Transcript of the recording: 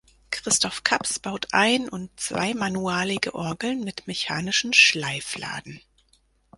Christoph Kaps baut ein- und zweimanualige Orgeln mit mechanischen Schleifladen.